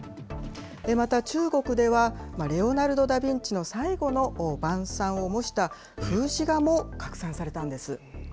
また中国では、レオナルド・ダ・ヴィンチの最後の晩餐を模した風刺画も拡散されたんです。